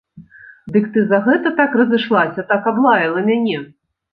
Дык ты за гэта так разышлася, так аблаяла мяне?